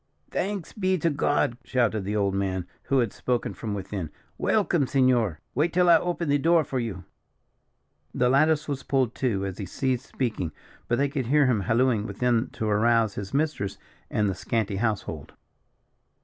"Thanks be to God!" shouted the old man, who had spoken from within; "welcome, senor. Wait till I open the door for you." The lattice was pulled to, as he ceased speaking; but they could hear him hallooing within to arouse his mistress and the scanty household.